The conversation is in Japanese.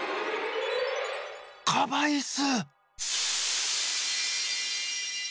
カバイス！